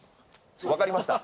分かりました。